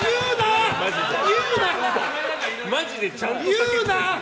言うな！